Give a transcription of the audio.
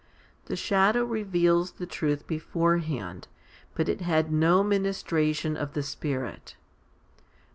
The shadow reveals the truth beforehand, but it had no ministration of the Spirit.